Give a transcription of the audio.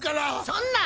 そんな！